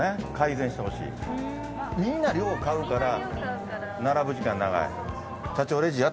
みんな量買うから並ぶ時間長い。